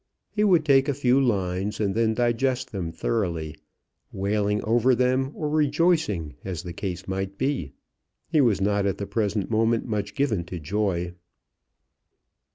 He would take a few lines and then digest them thoroughly, wailing over them or rejoicing, as the case might be. He was not at the present moment much given to joy.